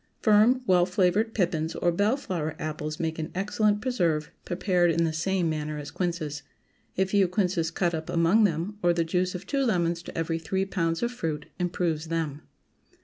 Firm, well flavored pippins or bell flower apples make an excellent preserve, prepared in the same manner as quinces. A few quinces cut up among them, or the juice of two lemons to every three pounds of fruit improves them.